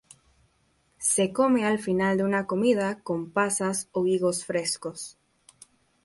Se come al final de una comida, con pasas o higos frescos.